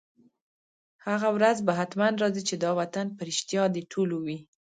هغه ورځ به حتماً راځي، چي دا وطن به رشتیا د ټولو وي